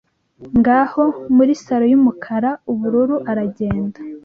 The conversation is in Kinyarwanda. Ngaho, muri salo yumukara-ubururu aragenda,